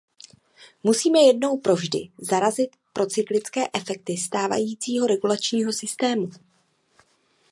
Musíme jednou provždy zarazit procyklické efekty stávajícího regulačního systému.